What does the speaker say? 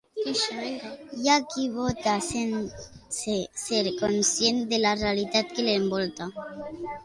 Hi ha qui vota sense ser conscient de la realitat que l'envolta.